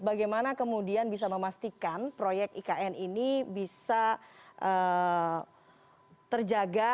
bagaimana kemudian bisa memastikan proyek ikn ini bisa terjaga